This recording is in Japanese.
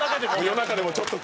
夜中でもちょっと。